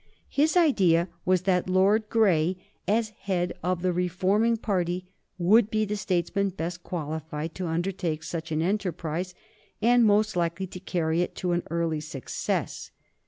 His idea was that Lord Grey, as the head of the reforming party, would be the statesman best qualified to undertake such an enterprise and most likely to carry it to an early success.